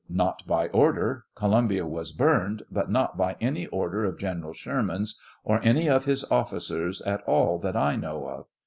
Not by order; Columbia was burned, but not by any order of General Sherman's, or any of his officers at all that I know of.